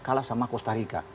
kalah sama costa rica